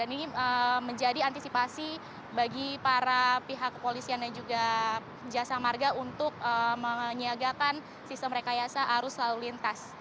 dan ini menjadi antisipasi bagi para pihak kepolisian dan juga jasa marga untuk menyiagakan sistem rekayasa arus lalu lintas